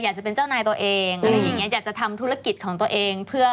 อยากจะเป็นเจ้านายตัวเองอยากจะทำธุรกิจของตัวเอง